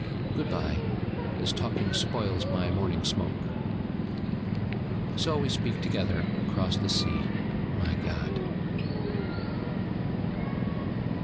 'Good bye. This talking spoils my morning smoke....' So we speak together across the sea, my God.